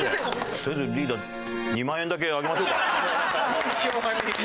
とりあえずリーダー２万円だけあげましょうか？